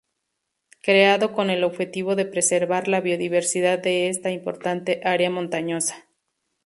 Creado con el objetivo de preservar la biodiversidad de esta importante área montañosa.